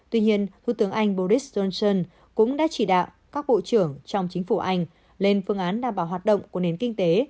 tuy nhiên thủ tướng anh boris johnson cũng đã chỉ đạo các bộ trưởng trong chính phủ anh lên phương án đảm bảo hoạt động của nền kinh tế